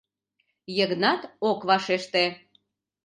Йыгнат ок вашеште.